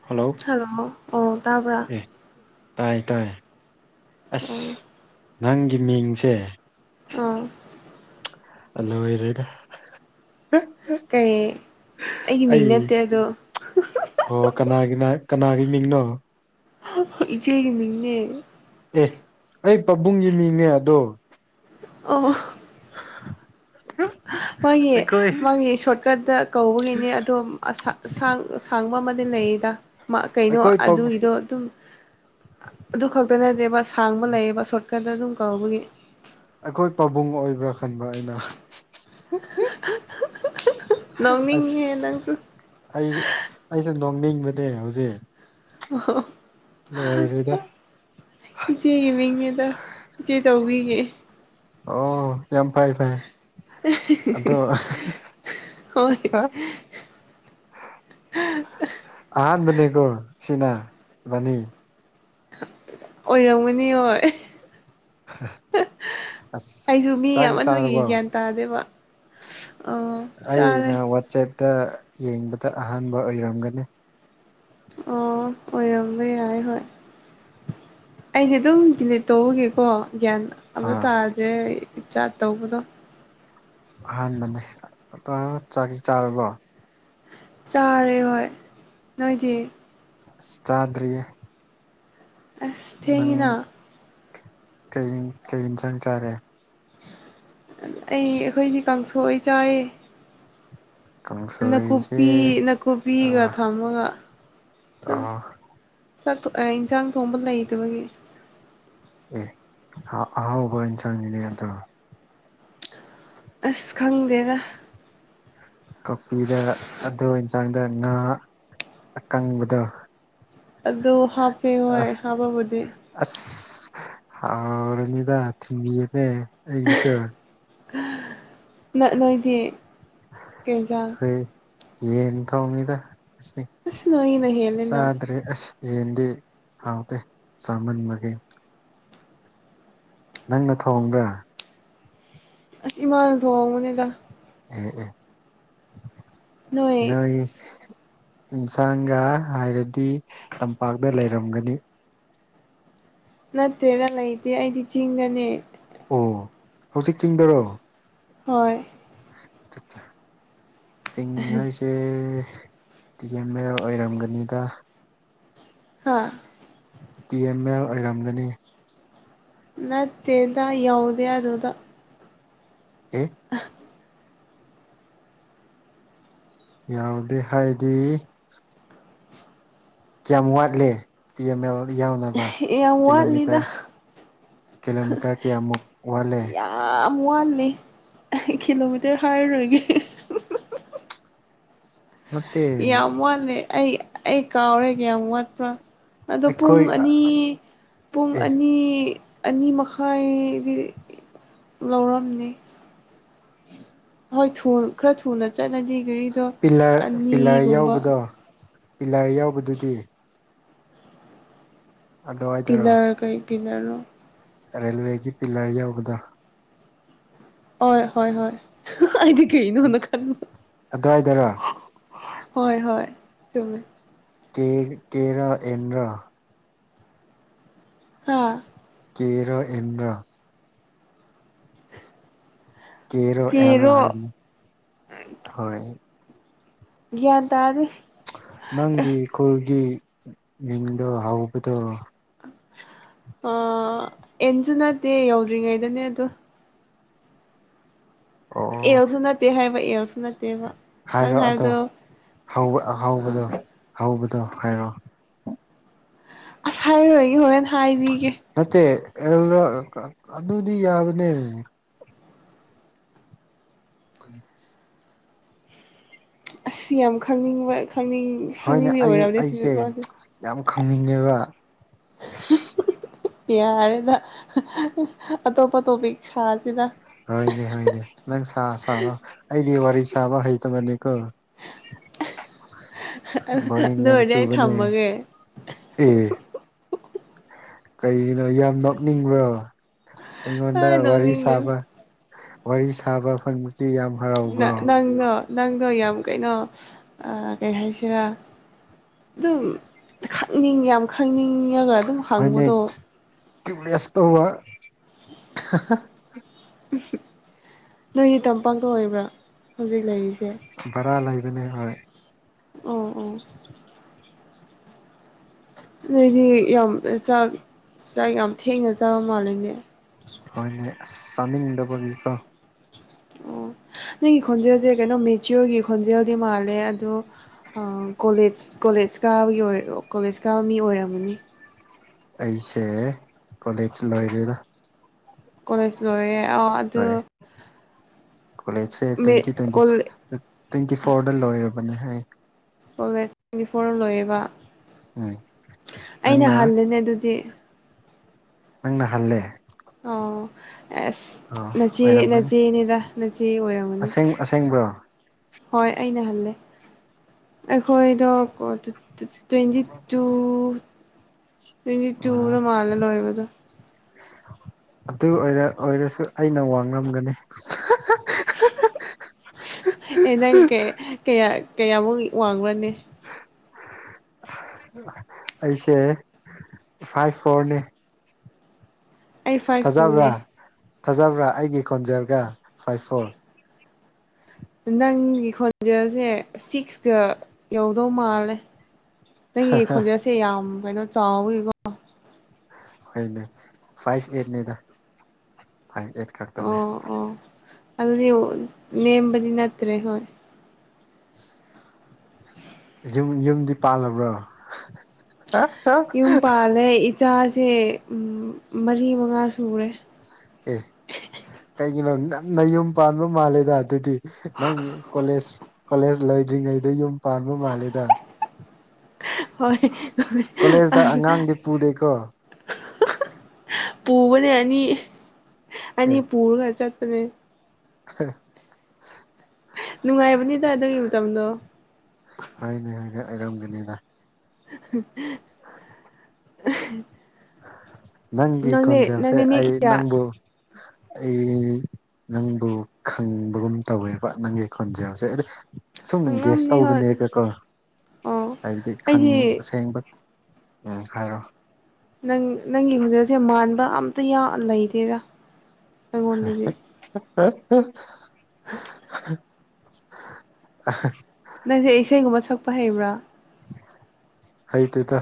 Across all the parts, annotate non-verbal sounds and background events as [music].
Hello [unintelligible] ꯑꯣ ꯇꯥꯕ꯭ꯔꯥ ꯑꯦ ꯇꯥꯏ ꯇꯥꯏ ꯑꯁ ꯑꯣ ꯅꯪꯒꯤ ꯃꯤꯡꯁꯦ ꯑꯥ ꯑ ꯂ‌ꯣꯏꯔ‌ꯦꯗ ꯀꯩ ꯑꯩꯒꯤ ꯃꯤꯡ ꯑꯩ ꯅꯠꯇꯦ ꯑꯗꯣ ꯑꯣ ꯀꯅꯥꯒꯤ ꯀꯅꯥꯒꯤ ꯃꯤꯡꯅꯣ ꯏꯆꯦꯒꯤ ꯃꯤꯡꯅꯦ ꯑꯦ ꯑꯩ ꯄꯥꯕꯨꯡꯒꯤ ꯃꯤꯡꯅꯦ ꯑꯗꯣ ꯑꯣ [unintelligible] [unintelligible] ꯃ‌ꯣꯏꯒꯤ ꯑꯩꯈꯣꯏ ꯃꯥꯒꯤ ꯁꯣꯔꯠꯀꯠꯇ ꯀꯧꯕꯒꯤꯅꯦ ꯑꯗꯣ ꯑꯁꯥꯡ ꯑꯁꯥꯡꯕ ꯑꯃꯗꯤ ꯂꯩꯌꯦꯗ ꯃ ꯀꯩꯅꯣ ꯑꯩꯈꯣꯏ ꯑꯗꯨꯒꯤꯗꯣ ꯑꯗꯨꯝ ꯑꯗꯨ ꯈꯛꯇ ꯅꯠꯇꯦꯕ ꯁꯥꯡꯕ ꯂꯩꯌꯦꯕ ꯁꯣꯔꯠꯀꯠꯇ ꯑꯗꯨꯝ ꯀꯧꯕꯒꯤ ꯑꯩꯈꯣꯏ ꯄꯥꯕꯨꯡ ꯑꯣꯏꯕ꯭ꯔꯥ ꯈꯟꯕ ꯑꯩꯅ [unintelligible] ꯅꯣꯛꯅꯤꯡꯉꯦ ꯑꯁ ꯅꯪꯁꯨ ꯑꯩ ꯑꯩꯁꯨ ꯅꯣꯛꯅꯤꯡꯕꯅꯦ ꯍꯧꯖꯤꯛ ꯑꯣ [unintelligible] ꯅꯨꯉꯥꯏꯔ‌ꯣꯏꯗ ꯏꯆꯦꯒꯤ ꯃꯤꯡꯅꯦ ꯑꯗꯣ ꯏꯆꯦ ꯆꯧꯕꯤꯒꯤ ꯑꯣ ꯌꯥꯝ ꯐꯩ ꯐꯩ ꯑꯗꯣ [unintelligible] ꯍꯣꯏ ꯍꯥ ꯍꯥ ꯑꯍꯥꯟꯕꯅꯤꯀ‌ꯣ ꯁꯤꯅꯥ ꯏꯕꯥꯅꯤ ꯑꯣꯏꯔꯝꯒꯅꯤ ꯍꯣꯏ ꯑꯁ ꯑꯩꯁꯨ ꯃꯤ ꯆꯥꯛꯇꯤ ꯆꯥꯔꯕꯣ ꯌꯥꯝꯃꯟꯕꯒꯤ ꯒ꯭ꯌꯥꯟ ꯇꯥꯗꯦꯕ ꯑ ꯆꯥꯔꯦ ꯑꯩꯅ ꯋꯥꯆꯦꯞꯇ ꯌꯦꯡꯕꯗ ꯑꯍꯥꯟꯕ ꯑꯣꯏꯔꯝꯒꯅꯤ ꯑꯣ ꯑꯣꯏꯔꯝꯕ ꯌꯥꯥꯏ ꯍ‌ꯣꯏ ꯑꯩꯗꯤ ꯑꯗꯨꯝ ꯗꯤꯂꯤꯠ ꯇꯧꯕꯒꯤꯀꯣ ꯒ꯭ꯌꯥꯟ ꯑꯝꯇ ꯑꯥ ꯇꯥꯗ꯭ꯔꯦ ꯆꯥꯠ ꯇꯧꯕꯗꯣ ꯑꯍꯥꯟꯕꯅꯦ ꯑꯗꯣ ꯆꯥꯛꯇꯤ ꯆꯥꯔꯕꯣ ꯆꯥꯔꯦ ꯍꯣꯏ ꯅꯣꯏꯗꯤ ꯆꯥꯗ꯭ꯔꯤꯌꯦ ꯑꯁ ꯅꯪ ꯊꯦꯡꯉꯤꯅ ꯀꯩ ꯀꯩ ꯏꯟꯁꯥꯡ ꯆꯥꯔꯦ ꯑꯩ ꯑꯩꯈꯣꯏꯗꯤ ꯀꯥꯡꯁꯣꯏ ꯆꯥꯏꯑ‌ꯦ ꯀꯥꯡꯁꯣꯏꯁꯦ ꯅꯥꯀꯨꯞꯄꯤ ꯅꯥꯀꯨꯞꯄꯤꯒ ꯑꯥ ꯊꯝꯃꯒ ꯑꯗꯨꯝ ꯑꯥ ꯆꯥꯛꯇꯣ ꯏꯟꯖꯥꯡ ꯊꯣꯡꯕ ꯂꯩꯇꯕꯒꯤ ꯑꯦ ꯑꯍꯥ ꯑꯍꯥꯎꯕ ꯏꯟꯖꯥꯡꯅꯤꯅ‌ꯦ ꯑꯗꯣ ꯑꯁ ꯈꯪꯗꯦꯗ ꯀꯣꯄꯤꯗ ꯑꯗꯨ ꯏꯟꯁꯥꯡꯗ ꯉꯥ ꯑꯀꯪꯕꯗꯣ ꯑꯗꯨ ꯍꯥꯞꯄꯦ ꯍꯣꯏ ꯍꯥꯞꯄꯕꯨꯗꯤ ꯑꯁ ꯍꯥꯎꯔꯅꯤꯗ ꯊꯤꯟꯕꯤꯌꯨꯅꯦ ꯑꯩꯒꯤꯁꯨ ꯅ ꯅꯣꯏꯗꯤ ꯀꯩꯏꯟꯖꯥꯡ ꯑꯩꯈꯣꯏ ꯌꯦꯟ ꯊ‌ꯣꯡꯉꯤꯗ ꯑꯁ ꯅꯣꯏꯒꯤꯅ ꯍꯦꯜꯂꯦꯅ ꯆꯥꯗ꯭ꯔꯦ ꯑꯁ ꯌꯦꯟꯗꯤ ꯍꯥꯎꯇꯦ ꯆꯥꯃꯟꯕꯒꯤ ꯅꯪꯅ ꯊꯣꯡꯕ꯭ꯔꯥ ꯑꯁ ꯏꯃꯥꯅ ꯊꯣꯡꯕꯅꯤꯗ ꯑꯦ ꯑꯦ ꯅꯣꯏ ꯏꯟꯁꯥꯡꯒ ꯍꯥꯏꯔꯗꯤ ꯇꯝꯄꯥꯛꯇ ꯂꯩꯔꯝꯒꯅꯤ ꯅꯠꯇꯦꯗ ꯂꯩꯇꯦ ꯑꯩꯗꯤ ꯆꯤꯡꯗꯅ‌ꯦ ꯑꯣ ꯍꯧꯖꯤꯛ ꯆꯤꯡꯗꯔꯣ ꯍꯣꯏ [inaudible] ꯆꯤꯡ ꯍꯥꯏꯁꯤ ꯑꯦ [unintelligible] ꯑꯣꯏꯔꯝꯒꯅꯤꯗ ꯍꯥꯥ ꯇꯤ ꯑꯦꯝ ꯑꯦꯜ ꯑꯣꯏꯔꯝꯒꯅꯤ ꯅꯠꯇꯦꯗ ꯌꯧꯗꯦ ꯑꯗꯨꯗ ꯑꯦ ꯌꯥꯎꯗꯦ ꯍꯥꯏꯗꯤ ꯀꯌꯥꯝ ꯋꯥꯠꯂꯤ ꯇꯤ ꯑꯦꯝ ꯑꯦꯜ ꯌꯥꯎꯅꯕ ꯌꯥꯝ ꯋꯥꯠꯂꯤꯗ ꯀꯤꯂꯣꯃꯤꯇꯔ ꯀꯤꯂꯣꯃꯤꯇꯔ ꯀꯌꯥꯃꯨꯛ ꯋꯥꯠꯂꯦ ꯑꯥꯝ ꯋꯥꯠꯂꯤ ꯀꯤꯂꯣꯃꯤꯇꯔ ꯍꯥꯏꯔꯔꯣꯏꯒꯦ ꯅꯠꯇꯦ ꯌꯥꯝ ꯋꯥꯠꯂꯦ ꯑꯩ ꯑꯩ ꯀꯥꯎꯔꯦ ꯀꯌꯥꯝ ꯋꯥꯠꯄ꯭ꯔꯥ ꯑꯗꯣ ꯄꯨꯡ ꯑꯩꯈꯣꯏ ꯑꯅꯤ ꯄꯨꯡ ꯑꯦ ꯑꯅꯤ ꯑꯅꯤ ꯃꯈꯥꯏꯗꯤ ꯂꯧꯔꯝꯅꯤ ꯍꯣꯏ ꯊꯨꯜ ꯈꯔ ꯊꯨꯅ ꯆꯠꯂꯗꯤ ꯒꯥꯔꯤꯗꯣ ꯄꯤꯂꯔ ꯄꯤꯂꯔ ꯑꯅꯤꯒꯨꯝꯕ ꯌꯧꯕꯗꯣ ꯄꯤꯂꯔ ꯌꯧꯕꯗꯨꯗꯤ ꯑꯗꯨꯋꯥꯏꯗꯔꯣ ꯄꯤꯂꯔ ꯀꯩ ꯄꯤꯂꯔꯅꯣ ꯔꯦꯜꯋꯦꯒꯤ ꯄꯤꯂꯔ ꯌꯥꯎꯕꯗꯣ ꯍꯣꯏ ꯍꯣꯏ ꯍꯣꯏ ꯑꯩꯗꯤ ꯀꯩꯅꯣꯅ ꯈꯜꯂꯨ ꯑꯗꯨꯋꯥꯏꯗꯔꯣ [unintelligible] ꯍꯣꯏ ꯍꯣꯏ ꯆꯨꯝꯃꯦ ꯀꯦ ꯀꯦꯔꯣ ꯑꯦꯟꯔꯣ ꯍꯥ ꯀꯦꯔꯣ ꯑꯦꯟꯔꯣ ꯀꯦꯔꯣ ꯑꯦꯜꯔꯣ ꯀꯦꯔꯣ ꯍꯥꯏꯕꯅꯦ ꯈꯣꯏ ꯒ꯭ꯌꯥꯟ ꯇꯥꯗꯦ ꯅꯪꯒꯤ ꯈꯨꯜꯒꯤ ꯃꯤꯡꯗꯣ ꯍꯧꯕꯗꯣ ꯑ ꯑꯦꯟꯖꯨ ꯅꯠꯇꯦ ꯌꯧꯗ꯭ꯔꯤꯉꯩꯗꯅꯦ ꯑꯗꯣ ꯑꯣ ꯑꯦꯜꯖꯨ ꯅꯠꯇꯦ ꯍꯥꯏꯕ ꯑꯦꯜꯁꯨ ꯅꯠꯇꯦꯕ ꯅꯪ ꯍꯥꯏꯔꯣ ꯑꯗꯣ ꯍꯥꯏꯕꯗꯣ ꯍꯧꯕ ꯑꯍꯧꯕꯗꯣ ꯍꯧꯕꯗꯣ ꯍꯥꯏꯔꯣ ꯑꯁ ꯍꯥꯏꯔꯔꯣꯏꯒꯦ ꯍꯣꯔꯦꯟ ꯍꯥꯏꯕꯤꯒꯦ ꯅꯠꯇꯦ ꯑꯦꯜꯔꯣ ꯀ ꯑꯗꯨꯗꯤ ꯌꯥꯕꯅꯦ [unintelligible] ꯑꯁ ꯌꯥꯝ ꯈꯪꯅꯤꯡꯕ ꯈꯪꯅꯤꯡ ꯍꯣꯏꯅꯦ ꯈꯪꯅꯤꯡꯕꯩ ꯑꯩ ꯑꯣꯏꯔꯝꯅꯤ ꯑꯁꯤ ꯑꯩꯁꯦ ꯅꯨꯄꯥꯁꯦ ꯌꯥꯝ ꯈꯪꯅꯤꯡꯉꯦꯕ [unintelligible] ꯌꯥꯔꯦꯗ [unintelligible] ꯑꯇꯣꯞꯄ ꯇꯣꯄꯤꯛ ꯁꯥꯁꯤꯗ ꯍꯣꯏꯅꯦ ꯍꯣꯏꯅꯦ ꯅꯪ ꯁꯥ ꯁꯥꯔꯣ ꯑꯩꯗꯤ ꯋꯥꯔꯤ ꯁꯥꯕ ꯍꯩꯇꯕꯅꯤꯀꯣ ꯕꯣꯔꯤꯡ ꯑꯗꯨ ꯌꯥꯝ ꯑꯣꯏꯔꯗꯤ ꯑꯩ ꯆꯨꯕꯅꯦ ꯊꯝꯃꯒꯦ ꯑꯦ ꯀꯩꯒꯤꯅꯣ ꯌꯥꯝ ꯅꯣꯛꯅꯤꯡꯕ꯭ꯔꯣ ꯑꯩꯉꯣꯟꯗ ꯍꯣꯏ ꯋꯥꯔꯤ ꯅꯣꯛꯅꯤꯡꯗꯦ ꯁꯥꯕ꯫ ꯋꯥꯔꯤ ꯁꯥꯕ ꯐꯪꯕꯁꯤ ꯌꯥꯝ ꯅꯪ ꯍꯔꯥꯎꯕ꯭ꯔꯣ ꯅꯪꯗꯣ ꯅꯪꯗꯣ ꯌꯥꯝ ꯀꯩꯅꯣ ꯑ ꯀꯩ ꯍꯥꯏꯁꯤꯔꯥ ꯑꯗꯨꯝ ꯈꯪꯅꯤꯡ ꯌꯥꯝ ꯈꯪꯅꯤꯡꯉꯒ ꯑꯗꯨꯝ ꯍꯣꯏꯅꯦ ꯍꯪꯕꯗꯣ ꯇ꯭ꯌꯨꯞꯂꯦꯁ ꯇꯧꯕ ꯅꯣꯏꯒꯤ ꯇꯝꯄꯥꯛꯇ ꯑꯣꯏꯕ꯭ꯔꯥ ꯍꯧꯖꯤꯛ ꯂꯩꯔꯤꯁꯦ꯫ ꯚꯔꯥ ꯂꯩꯕꯅꯦ ꯍꯣꯏ꯫ ꯑꯣ ꯑꯣ꯫ ꯅꯣꯏꯗꯤ ꯌꯥꯝ ꯆꯥꯛ ꯆꯥꯛ ꯌꯥꯝ ꯊꯦꯡꯅ ꯆꯥꯕ ꯃꯥꯜꯂꯦꯅꯦ꯫ ꯍꯣꯏꯅꯦ ꯑꯁ ꯆꯥꯅꯤꯡꯗꯕꯒꯤꯀꯣ꯫ ꯑꯣ ꯅꯪꯒꯤ ꯈꯣꯟꯖꯦꯜꯁꯦ ꯀꯩꯅꯣ ꯃꯦꯆꯤꯌꯣꯔꯒꯤ ꯈꯣꯟꯖꯦꯜꯗꯤ ꯃꯥꯜꯂꯦ ꯑꯗꯣ ꯑ ꯀꯣꯂꯦꯖ ꯀꯣꯂꯦꯖ ꯀꯥꯕꯒꯤ ꯑꯣꯏ ꯀꯣꯂꯦꯖ ꯀꯥꯕ ꯃꯤ ꯑꯣꯏꯔꯝꯒꯅꯤ꯫ ꯑꯩꯁꯦ ꯀꯣꯂꯦꯖ ꯂꯣꯏꯔꯦꯅ꯫ ꯀꯣꯂꯦꯖ ꯂꯣꯏꯔꯦ ꯑꯣ ꯑꯗꯨ ꯍꯣꯏ ꯀꯣꯂꯦꯖꯁꯦ ꯃꯤ twenty twenty college four twenty ꯐꯣꯔꯗ ꯂꯣꯏꯔꯕꯅꯤ ꯑꯩ꯫ ꯀꯣꯂꯦꯖ ꯇ꯭ꯋꯦꯟꯇꯤ ꯐꯣꯔ ꯂꯣꯏꯌꯦꯕ ꯎꯝ ꯑꯩꯅ ꯅꯪꯅ ꯍꯜꯂꯦꯅꯦ ꯑꯗꯨꯗꯤ꯫ ꯅꯪꯅ ꯍꯜꯂꯦ꯫ ꯑꯣ ꯑꯁ ꯑꯣ ꯅꯆꯦ ꯑꯣꯏꯔꯝꯒꯅꯤ ꯅꯆꯦꯅꯦꯗ ꯅꯆꯦ ꯑꯣꯏꯔꯝ ꯑꯁꯦꯡ ꯑꯁꯦꯡꯕ꯭ꯔꯣ꯫ ꯍꯣꯏ ꯑꯩꯅ ꯍꯜꯂꯦ꯫ ꯑꯩꯈꯣꯏꯗꯣ ꯇ꯭ꯋꯦꯟꯇꯤ ꯇꯨ ꯇꯣꯏꯟꯇꯤ ꯑꯣ ꯇꯨꯗ ꯃꯥꯜꯂꯦ ꯂꯣꯏꯕꯗꯣ ꯑꯗꯨ ꯑꯣꯏꯔ ꯑꯣꯏꯔꯁꯨ ꯑꯩꯅ ꯋꯥ ꯉꯝꯒꯅꯤ ꯑꯦ ꯅꯪ ꯀꯌꯥ ꯀꯌꯥꯃꯨꯛ ꯋꯥꯡꯕ꯭ꯔꯅꯦ ꯑꯩꯁꯦ ꯐꯥꯏꯚ ꯐꯣꯔꯅꯤ꯫ ꯑꯩ ꯐꯥꯏꯚ ꯇꯨꯅꯦ ꯊꯥꯖꯕ꯭ꯔꯥ ꯊꯥꯖꯕ꯭ꯔꯥ ꯑꯩꯒꯤ ꯀꯣꯟꯖꯦꯜꯒ ꯐꯥꯏꯚ ꯐꯣꯔ꯫ ꯅꯪꯒꯤ ꯈꯣꯟꯖꯁꯦ ꯁꯤꯛꯁꯀ ꯌꯧꯗꯧ ꯃꯥꯜꯂꯦ꯫ ꯅꯪꯒꯤ ꯈꯣꯟꯖꯦꯜꯁꯦ ꯌꯥꯝ ꯀꯩꯅꯣ ꯆꯥꯎꯋꯤꯀꯣ꯫ ꯑꯩꯅꯦ ꯐꯥꯏꯚ ꯑꯦꯠꯅꯤꯗ ꯐꯥꯏꯚ ꯑꯦꯠ ꯈꯛꯇꯅꯦ ꯑꯣ ꯑꯣ ꯑꯗꯨꯗꯤ ꯅꯦꯝꯕꯗꯤ ꯅꯠꯇ꯭ꯔꯦ ꯍꯣꯏ꯫ ꯌꯨꯝ ꯌꯨꯝꯗꯤ ꯄꯥꯜꯂꯕ꯭ꯔꯣ꯫ [unintelligible] ꯌꯨꯝ ꯄꯥꯜꯂꯦ ꯏꯆꯥꯁꯦ ꯃꯔꯤ ꯃꯉꯥ ꯁꯨꯔꯦ꯫ ꯑꯦ ꯀꯩꯒꯤꯅꯣ ꯉꯥꯟꯅ ꯌꯨꯝ ꯄꯥꯟꯕ ꯃꯥꯜꯂꯦꯗ ꯑꯗꯨꯗꯤ ꯅꯪꯒꯤ ꯀꯣꯂꯦꯖ ꯀꯣꯂꯦꯖ ꯂꯩꯗ꯭ꯔꯤꯉꯩꯗ ꯌꯨꯝ ꯄꯥꯟꯕ ꯃꯥꯜꯂꯦꯗ꯫ ꯍꯣꯏ ꯍꯣꯏ ꯀꯣꯂꯦꯖꯇ ꯑꯁ ꯑꯉꯥꯡꯗꯤ ꯄꯨꯗꯦꯀꯣ ꯄꯨꯕꯅꯦ ꯑꯅꯤ ꯑꯅꯤ ꯑꯦ ꯄꯨꯔꯑ ꯆꯥꯠꯄꯅꯦ꯫ [unintelligible] ꯅꯨꯡꯉꯥꯏꯕꯅꯤꯗ ꯑꯗꯨꯒꯤ ꯃꯇꯝꯗꯣ꯫ ꯍꯣꯏꯅꯦ ꯍꯣꯏꯅꯦ ꯑꯩꯔꯝꯒꯅꯤꯗ꯫ [unintelligible] ꯅꯪꯒꯤ ꯅꯪꯅꯦ ꯀꯣꯟꯖꯦꯜꯁꯦ ꯅꯪꯅꯦ ꯃꯤ ꯑꯩ ꯀꯌꯥ ꯅꯪꯕꯨ ꯑꯩ ꯅꯪꯕꯨ ꯈꯪꯕꯒꯨꯝ ꯇꯧꯋꯦꯕ ꯅꯪꯒꯤ ꯈꯣꯟꯖꯦꯜꯁꯦ꯫ ꯁꯨꯝ ꯒꯦꯁ ꯉꯝꯅꯤ ꯍꯣꯏ ꯇꯧꯕꯅꯦꯒꯀꯣ ꯑꯣ ꯍꯥꯏꯕꯗꯤ ꯑꯩꯗꯤ ꯑꯁꯦꯡꯕꯒꯤ꯫ ꯎꯝ ꯍꯥꯏꯔꯣ꯫ ꯅꯪ ꯅꯪꯒꯤ ꯈꯣꯟꯖꯦꯜꯁꯦ ꯃꯥꯟꯕ ꯑꯝꯇ ꯌꯥꯎ ꯂꯩꯇꯦꯗ ꯑꯩꯉꯣꯟꯗꯗꯤ [inaudible] ꯑ [unintelligible] ꯅꯪꯗꯤ ꯏꯁꯩꯒꯨꯝꯕ ꯁꯛꯄ ꯍꯩꯕ꯭ꯔꯥ ꯍꯩꯇ‌ꯦꯗ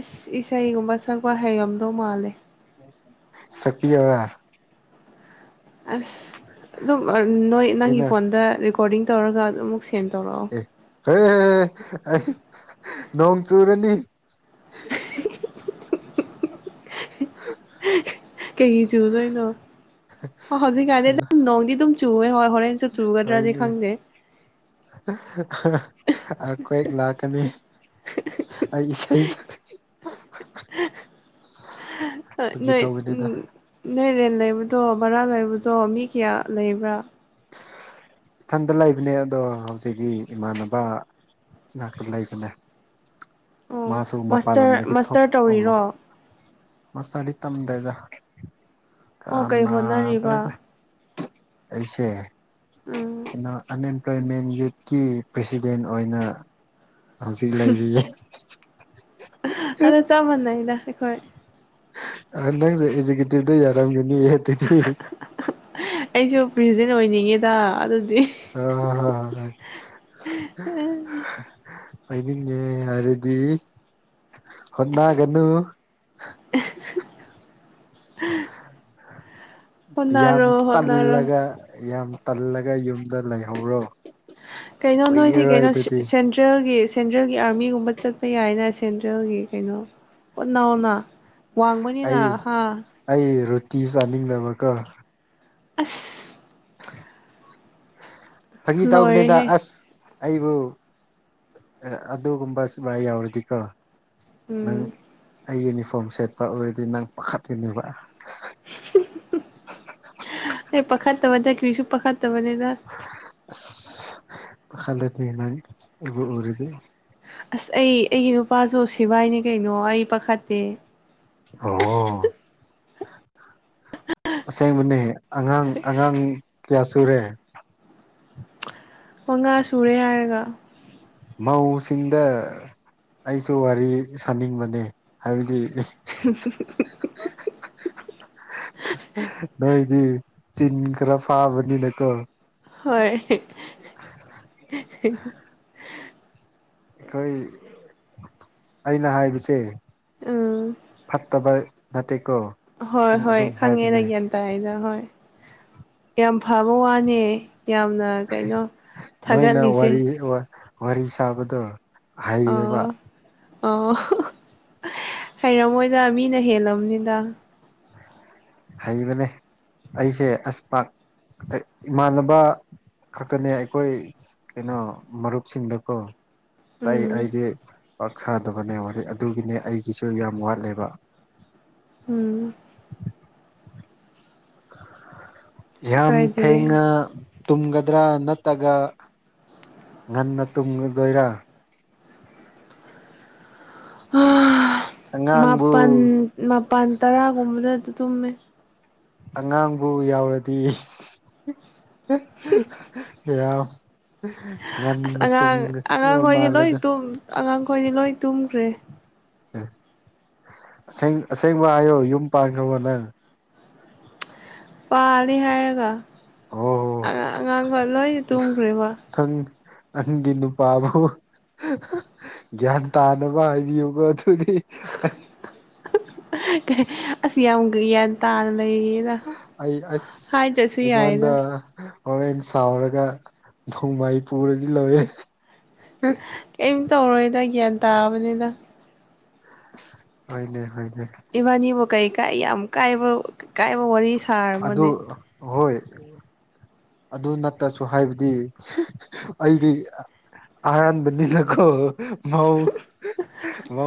ꯏꯁ ꯏꯁꯩꯒꯨꯝꯕ ꯁꯛꯄ ꯍꯩꯔꯝꯗꯧ ꯃꯥꯜꯂꯦ ꯁꯛꯄꯤꯌꯨꯔ ꯑꯁ ꯑꯗꯨꯝ ꯅꯣꯏ ꯅꯪꯒꯤ ꯑꯩꯅ ꯐꯣꯟꯗ ꯔꯦꯀꯣꯔꯗꯤꯡ ꯇꯧꯔꯒ ꯑꯗꯨꯝ ꯑꯃꯨꯛ ꯁꯦꯟ ꯇꯧꯔꯛꯑꯣ ꯍ [unintelligible] ꯅꯣꯡ ꯆꯨꯔꯅꯤ [unintelligible] ꯀꯩꯒꯤ ꯆꯨꯗꯣꯏꯅꯣ ꯍꯧꯖꯤꯛꯀꯥꯟꯗꯤ ꯑꯗꯨꯝ ꯅꯣꯡꯗꯤ ꯑꯗꯨꯝ ꯆꯨꯋꯦ ꯍꯣꯏ ꯍꯣꯔꯦꯟ ꯍꯣꯏꯅꯦ ꯑꯔꯀ꯭ꫭꯛꯋ ꯂꯥꯛꯀꯅꯤ ꯑꯩ ꯁ ꯆ [unintelligible] ꯑ ꯁꯛꯄꯒꯤ ꯅꯣꯏ ꯇꯧꯕꯅꯤꯗ ꯎꯝ ꯅꯣꯏ ꯔꯦꯟ ꯂꯩꯕꯗꯣ ꯕꯔꯥ ꯂꯩꯕꯗꯣ ꯃꯤ ꯀꯌꯥ ꯂꯩꯕ꯭ꯔꯥ ꯏꯊꯟꯗ ꯂꯩꯕꯅꯦ ꯑꯗꯣ ꯍꯧꯖꯤꯛꯇꯛꯤ ꯏꯃꯥꯟꯅꯕ ꯏꯅꯛꯇ ꯂꯩꯕꯅꯦ ꯑꯣ ꯃꯥꯁꯨ ꯃꯥꯁꯇꯔ ꯄꯥꯜꯂꯝꯗꯒꯤ ꯊꯣꯛꯑ ꯃꯥꯁꯇꯔ [unintelligible] ꯑꯃ ꯇꯧꯔꯤꯔꯣ ꯃꯁꯇꯔꯗꯤ ꯇꯝꯗꯔꯗ ꯑꯣ ꯀꯩ ꯍꯣꯠꯅꯔꯤꯕ ꯀꯅꯥꯗꯔ‌ꯦꯗꯥ ꯑꯩꯁꯦ ꯎꯝ ꯀꯩꯅꫭ ꯑꯟꯑꯦꯝꯄ꯭ꯂꯣꯏꯃꯦꯟ ꯌꯨꯠꯀꯤ ꯄ꯭ꯔꯁꯤꯗꯦꯟ ꯑꯣꯏꯅ ꯍꯥꯖꯤꯛ ꯂꯩꯔꯤꯌꯦ ꯑꯗꯨ ꯆꯞ ꯃꯥꯟꯅꯩꯗ ꯑꯩꯈꯣꯏ ꯑꯥ ꯅꯪꯅ ꯑꯦꯖꯨꯀꯦꯇꯤꯚꯗ ꯌꯥꯔꯝꯒꯅꯤ ꯑꯗꯨꯗꯤ ꯑꯩꯁꯨ ꯄ꯭ꯔꯁꯤꯗꯦꯟ ꯑꯣꯏꯅꯤꯡꯉꯦꯗ ꯑꯗꯨꯗꯤ ꯑ ꯍ [unintelligible] ꯑꫭꯏꯅꯤꯡꯉꯦ ꯍꯥꯏꯔꯗꯤ ꯍꯣꯠꯅꯒꯅꯨ [unintelligible] ꯌꯥꯝ ꯍꯣꯠꯅꯔꯣ ꯍꯣꯠꯅꯔꯣ ꯇꯜꯂꯒ ꯌꯥꯝ ꯇꯜꯂꯒ ꯌꯨꯝꯗ ꯂꯩꯍꯧꯔꯣ ꯀꯩꯅꯣ ꯅꯣꯏꯗꯤ ꯀꯨꯏꯔꯔꯣꯏ ꯀꯩꯅꯣ ꯑꯗꯨꯗꯤ ꯁꯦꯟꯇ꯭ꯔꯦꯜꯒꯤ ꯁꯦꯟꯇ꯭ꯔꯦꯜꯒꯤ ꯑꯥꯔꯃꯤꯒꯨꯝꯕ ꯆꯠꯄ ꯌꯥꯏꯅ ꯁꯦꯟꯇ꯭ꯔꯦꯜꯒꯤ ꯀꯩꯅꯣ ꯍꯣꯠ ꯅꯥꯎꯅ ꯋꯥꯡꯕꯅꯤꯅ ꯑꯩ ꯍꯥꯥ ꯑꯩ ꯔꯣꯇꯤ ꯆꯥꯅꯤꯡꯗꯕꯀꯣ ꯑꯁ ꯐꯥꯒꯤ ꯇꯧꯕꯅꯤꯗ ꯂꯣꯏꯔꯦꯍꯦ ꯑꯁ ꯑꯩꯕꯨ ꯑꯗꯨꯒꯨꯝꯕ ꯁꯤꯕꯥꯏ ꯌꯥꯎꯔꯗꯤꯀꯣ ꯅꯪ ꯎꯝ ꯑꯩ ꯌꯨꯅꯤꯐꯣꯔꯝ ꯁꯦꯠꯄ ꯎꯨꯔꯗꯤ ꯅꯪ ꯄꯥꯈꯠꯀꯅꯤꯕ ꯑꯩ ꯄꯥꯈꯠꯇꯕꯗ ꯀ꯭ꯔꯤꯁꯨ ꯄꯥꯈꯠꯇꯕꯅꯤꯗ ꯑꯁ ꯈꯜꯂꯗꯤ ꯅꯪ ꯑꯩꯕꯨ ꯎꯔꯗꯤ꯫ ꯑꯁ ꯑꯩ ꯑꯩꯒꯤ ꯅꯨꯄꯥꯁꯨ ꯁꯤꯕꯥꯏꯅꯦ ꯀꯩꯅꯣ ꯑꯩ ꯄꯥꯈꯠꯇꯦ ꯑꯣ ꯑꯁꯦꯡꯕꯅꯦ ꯑꯉꯥꯡ ꯑꯉꯥꯡ ꯀꯌꯥ ꯁꯨꯔꯦ ꯃꯉꯥ ꯁꯨꯔꯦ ꯍꯥꯏꯔꯒ ꯃꯧꯁꯤꯡꯗ ꯑꯩꯁꯨ ꯋꯥꯔꯤ ꯁꯥꯅꯤꯡꯕꯅꯦ ꯍꯥꯏꯕꯗꯤ [unintelligible] [unintelligible] ꯅꯣꯏꯗꯤ ꯆꯤꯟ ꯈꯔ ꯐꯥꯕꯅꯤꯅꯀꯣ ꯍꯣꯏ ꯑꯩꯈꯣꯏ ꯑꯩꯅ ꯍꯥꯏꯕꯁꯦ ꯎꯝ ꯐꯠꯇꯕ ꯅꯠꯇꯦ ꯀꯣ ꯍꯣꯏ ꯍꯣꯏ ꯈꯪꯉꯦ ꯅꯪ ꯒꯤꯌꯥꯟ ꯇꯥꯏꯅ ꯍꯣꯏ ꯌꯥꯝ ꯐꯕ ꯋꯥꯅꯦ ꯌꯥꯝꯅ ꯀꯩꯅꯣ ꯅꯣꯏꯅ ꯊꯥꯒꯠꯂꯤꯁꯦ ꯋꯔꯤ ꯋꯥꯔꯤ ꯁꯥꯕꯗꯣ ꯍꯩꯌꯦꯕ ꯑꯣ ꯑꯣ ꯍꯩꯔꯝꯃꯣꯏꯗ ꯃꯤꯅ ꯍꯦꯜꯂꯝꯕꯅꯤꯗ ꯍꯩꯕꯅꯦ ꯑꯩꯁꯦ ꯑꯁ ꯏꯃꯥꯟꯅꯕ ꯈꯛꯇꯅꯦ ꯑꯩꯈꯣꯏ ꯀꯩꯅꯣ ꯃꯔꯨꯞꯁꯤꯡꯗꯀꯣ ꯇꯥꯏ ꯎꯝ ꯑꯩꯗꯤ ꯄꯥꯛ ꯁꯥꯗꯕꯅꯦ ꯋꯥꯔꯤ ꯑꯗꯨꯒꯤꯅꯦ ꯑꯩꯒꯤꯁꯨ ꯌꯥꯝ ꯋꯥꯠꯂꯦꯕ ꯎꯝ ꯀꯩꯁꯨ ꯌꯥꯝ ꯀꯥꯏꯗꯦ ꯊꯦꯡꯉ ꯇꯨꯝꯒꯗ꯭ꯔꯥ ꯅꯠꯇ꯭ꯔꯒ ꯉꯟꯅ ꯇꯨꯝꯒꯗꯣꯏꯔ ꯑꯉꯥꯡꯕꯨ ꯃꯥꯄꯜ ꯃꯥꯄꯜ ꯇꯔꯥꯒꯨꯝꯕꯗ ꯑꯗꯨ ꯇꯨꯝꯃꯦ ꯑꯉꯥꯡꯕꯨ ꯌꯥꯎꯔꯗꯤ [unintelligible] ꯀꯌꯥꯝ ꯑꯁ ꯉꯟꯅ ꯇꯨꯡ ꯑꯉꯥꯡ ꯑꯉꯥꯡꯈꯣꯏꯗꯤ ꯂꯣꯏ ꯃꯥꯂꯦꯗ ꯑꯉꯥꯡꯈꯣꯏꯗꯤ ꯂꯣꯏ ꯇꯨꯝꯈ꯭ꯔꯦ ꯑꯁꯦꯡ ꯑꯁꯦꯡꯕ ꯍꯥꯏꯌꯣ ꯌꯨꯝ ꯄꯥꯟ ꯈꯪꯕꯣ ꯅꯪ ꯄꯥꯜꯂꯤ ꯍꯥꯏꯔꯒꯥ ꯑꯣ ꯑꯉꯥꯡꯒ ꯂꯣꯏꯅ ꯇꯣꯡꯈ꯭ꯔꯦꯕ ꯊꯪ ꯑꯍꯤꯡꯒꯤ ꯅꯨꯄꯥꯕꯨ ꯒ꯭ꯌꯥꯟ ꯇꯥꯅꯕ ꯍꯥꯏꯕꯤꯌꯨꯕ ꯑꯗꯨꯗꯤ ꯑꯁꯤ ꯑꯃꯒ ꯌꯥ ꯇ ꯂꯩ ꯑꯩ ꯑꯁ ꯌꯥꯏꯗ ꯑꯩꯉꯣꯟꯗ ꯍꯣꯔꯦꯟ ꯁꯥꯎꯔꯒ ꯅꯣꯡꯃꯥꯏ ꯄꯨꯔꯗꯤ ꯂꯧꯋꯦ ꯀꯔꯤꯝꯇ ꯇꯧꯔꯣꯏꯗ ꯒ꯭ꯌꯥꯟ ꯇꯥꯕꯅꯤꯅ ꯍꯅꯦ ꯍꯅꯦ ꯏꯕꯥꯅꯤꯕꯨ ꯀꯩ ꯀꯥꯏ ꯌꯥꯝ ꯀꯥꯏꯕ ꯀꯥꯏꯕ ꯋꯥꯔꯤ ꯁꯥꯔꯕꯅꯦ ꯑꯣꯏ ꯑꯗꯨ ꯅꯠꯇ꯭ꯔꯁꯨ ꯍꯥꯏꯕꯗꯤ ꯑꯩꯗꯤ ꯑꯅꯅꯕꯅꯤ ꯂꯣ ꯃꯎ ꯃꯎ